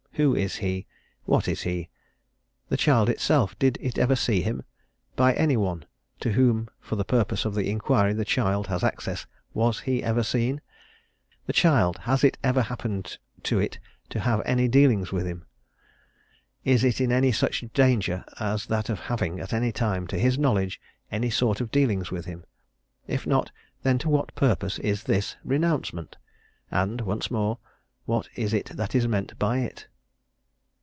Who is he? What is he? The child itself, did it ever see him? By any one, to whom for the purpose of the inquiry the child has access, was he ever seen? The child, has it ever happened to it to have any dealings with him? Is it in any such danger as that of having, at any time, to his knowledge, any sort of dealings with him? If not, then to what purpose is this renouncement? and, once more, what is it that is meant by it?"